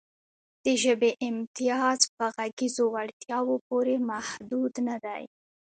د ژبې امتیاز په غږیزو وړتیاوو پورې محدود نهدی.